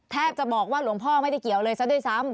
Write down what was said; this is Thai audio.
จะบอกว่าหลวงพ่อไม่ได้เกี่ยวเลยซะด้วยซ้ำ